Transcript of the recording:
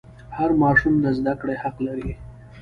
هر ماشوم د زده کړې حق لري.